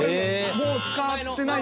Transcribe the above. もう使ってない。